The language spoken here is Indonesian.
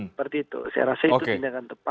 seperti itu saya rasa itu tindakan tepat